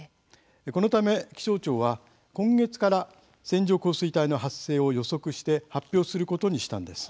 このため気象庁は、今月から線状降水帯の発生を予測して発表することにしたんです。